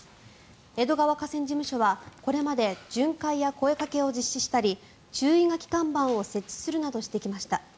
江戸川河川事務所はこれまで巡回や声掛けを実施したり注意書き看板を設置するなどしてきました。